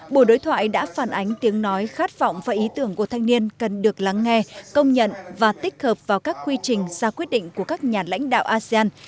buổi đối thoại đã phản ánh tiếng nói khát vọng và ý tưởng của thanh niên cần được lắng nghe công nhận và tích hợp vào các quy trình ra quyết định của các nhà lãnh đạo asean